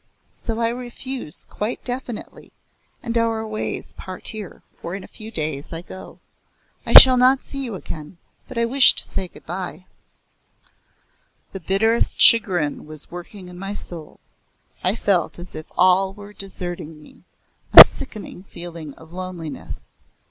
So I refuse quite definitely, and our ways part here, for in a few days I go. I shall not see you again, but I wish to say good bye." The bitterest chagrin was working in my soul. I felt as if all were deserting me a sickening feeling of loneliness.